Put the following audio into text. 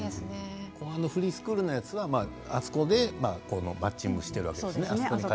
フリースクールのものはあそこでマッチングをしているわけですよね。